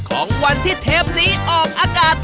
ของวันที่เทปนี้ออกอากาศ